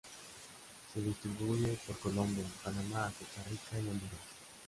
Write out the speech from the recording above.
Se distribuye por Colombia, Panamá, Costa Rica y Honduras.